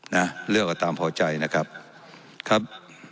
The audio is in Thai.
นะเลือกเอาตามพอใจนะครับครับ